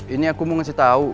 ini aku mau ngasih tahu